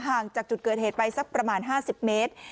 ห่างจากจุดเกิดเหตุไปสักประมาณ๕๐เมตร